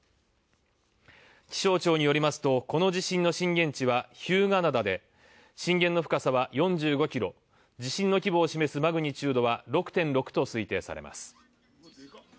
気象庁によりますと、この地震の震源地は日向灘で、震源の深さは４５キロ、地震の規模を示すマグニチュードは６．６と推定されます。